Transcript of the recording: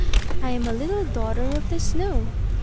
I am a little daughter of the Snow!"